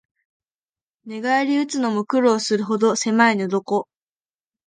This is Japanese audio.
寝返りうつのも苦労するほどせまい寝床